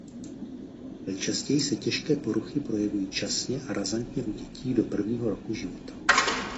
Nejčastěji se těžké poruchy projevují časně a razantně u dětí do prvního roku života.